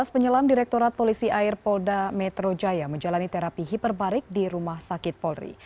dua belas penyelam direktorat polisi air polda metro jaya menjalani terapi hiperbarik di rumah sakit polri